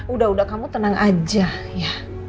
udah udah kamu tenang aja ya